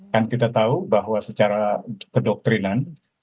kan kita tahu bahwa secara kedoktrinan